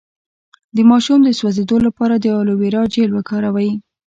د ماشوم د سوځیدو لپاره د الوویرا جیل وکاروئ